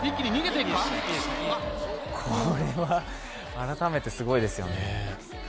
これは改めてすごいですよね。